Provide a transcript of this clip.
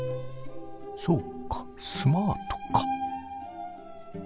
そうかスマートか。